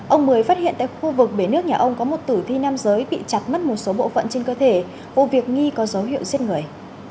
ông mười phát hiện tại khu vực bể nước nhà ông có một tử thi nam giới bị chặt mất một số bộ phận trên cơ thể vụ việc nghi có dấu hiệu giết người